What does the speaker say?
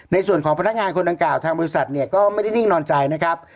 ในส่วนของพนักงานคนดังกล่าวทางบริษัทเนี่ยก็ไม่ได้นิ่งนอนใจนะครับ